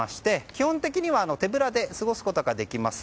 基本的には手ぶらで過ごすことができます。